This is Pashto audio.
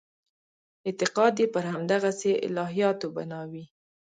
اعتقاد یې پر همدغسې الهیاتو بنا وي.